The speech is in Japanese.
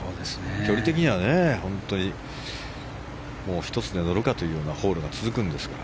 距離的には、本当に１つで乗るかというようなホールが続くんですが。